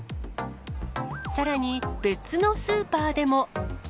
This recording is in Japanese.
さらに別のスーパーでも。